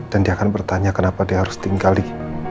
dia akan bertanya kenapa dia harus tinggal di